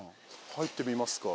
入ってみますか。